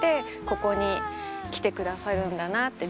ここに来てくださるんだなって。